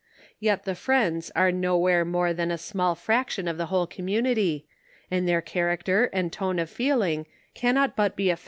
Yet the Friends ate nowhere more than a small frac tion of the whole community, and their character and tone of feeling cannot but be afl!